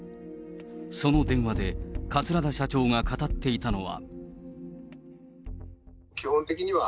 その電話で、桂田社長が語っていたのは。